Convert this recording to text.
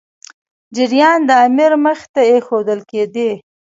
جریان د امیر مخي ته ایښودل کېدی.